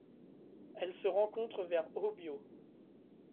Elle se rencontre vers Hobyo.